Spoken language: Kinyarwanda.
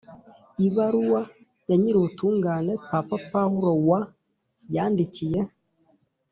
ibaruwa « ya nyirubutungane papa pawulo wa yandikiye